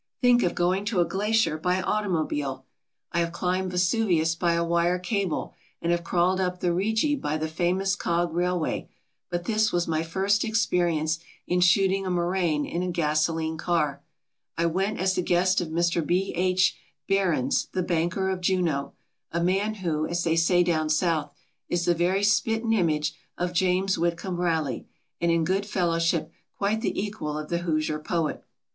Think of going to a glacier by automobile! I have climbed Vesuvius by a wire cable and have crawled up the Rigi by the famous cog railway, but this was my first experience in shooting a moraine in a gasoline car. I went as the guest of Mr. B. H. Behrends, the banker of Juneau, a man who, as they say down South, is the very "spi't an' image*' of James Whitcomb Riley, and in good fellow ship quite the equal of the Hoosier poet.